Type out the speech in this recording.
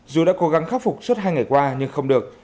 dù đã cố gắng khắc phục suốt hai ngày qua nhưng không được